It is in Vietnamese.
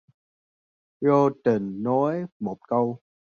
Vô tình nói một câu